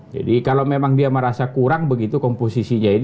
jadi kalau memang dia merasa kurang begitu komposisinya